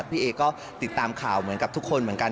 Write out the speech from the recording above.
พี่เอก็ติดตามข่าวเหมือนกับทุกคนเหมือนกัน